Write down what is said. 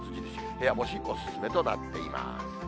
部屋干しお勧めとなっています。